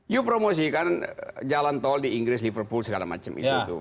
you promosikan jalan tol di inggris liverpool segala macam itu tuh